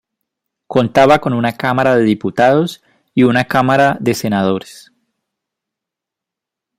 Contaba con una Cámara de Diputados y una Cámara de Senadores.